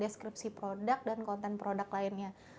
deskripsi produk dan konten produk lainnya